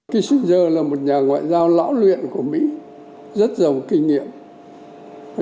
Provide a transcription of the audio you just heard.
kiechuzer là một nhà ngoại giao lão luyện của mỹ rất giàu kinh nghiệm